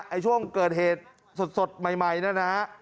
ไอ้ช่วงเกิดเหตุสดใหม่นะฮะ